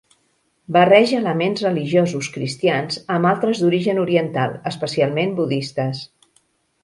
Barreja elements religiosos cristians amb altres d'origen oriental, especialment budistes.